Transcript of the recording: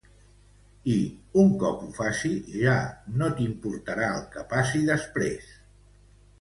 I, un cop ho faci, ja no t'importarà el que passi després.